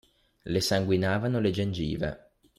Le sanguinavano le gengive.